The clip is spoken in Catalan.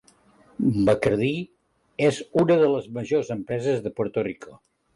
Bacardí és una de les majors empreses de Puerto Rico.